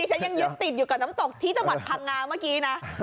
ยังยุ่นติดกับน้ำตกที่จังหวัดพังงาเมื่อกี้นะ